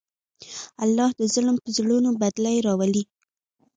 الله د ظلم په زړونو بدلې راولي.